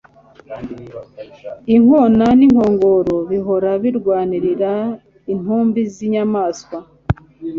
inkona n'inkongoro bihora birwanira intumbi z'inyamaswa